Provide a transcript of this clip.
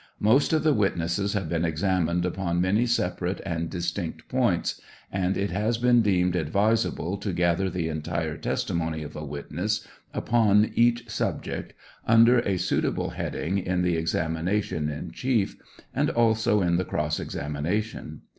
Most of the witnesses have been examined upon many sepa rate and distinct points, and it has been deemed advisable to gather the entire testimony of a witness upon each subject under a suitable heading in the exam ination in chief, and also in the cross examination.